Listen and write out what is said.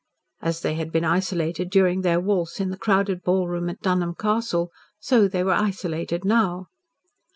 As they had been isolated during their waltz in the crowded ballroom at Dunholm Castle, so they were isolated now.